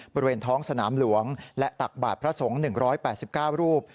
บริเวณท้องสนามหลวงและตักบาทพระสงฆ์๑๘๙รูป